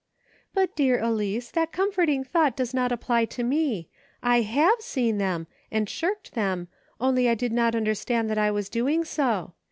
" But, dear Elice, that comforting thought does not apply to me ; I have seen them, and shirked them, only I did not understand that I was doing so.